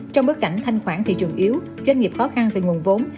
trong bối cảnh thanh khoản thị trường yếu doanh nghiệp khó khăn về nguồn vốn